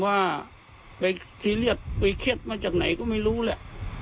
ว่าไปซีเรียสไปเครียดมาจากไหนก็ไม่รู้แหละ